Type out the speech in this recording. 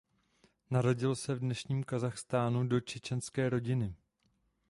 Narodil se v dnešním Kazachstánu do čečenské rodiny.